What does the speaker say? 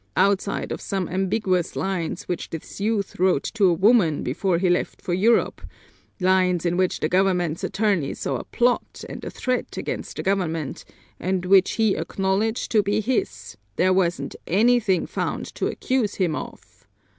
Outside of some ambiguous lines which this youth wrote to a woman before he left for Europe, lines in which the government's attorney saw a plot and a threat against the government, and which he acknowledged to be his, there wasn't anything found to accuse him of."